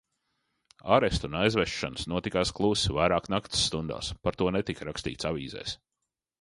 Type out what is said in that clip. Aresti un aizvešanas notikās klusi, vairāk nakts stundās, par to netika rakstīts avīzēs.